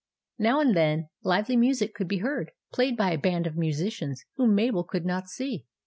Now and then, lively music could be heard, played by a band of musicians whom Mabel could not see.